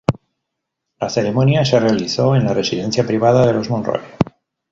La ceremonia se realizó en la residencia privada de los Monroe.